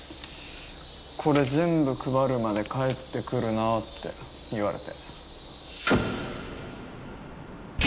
これ全部配るまで帰ってくるなって言われて。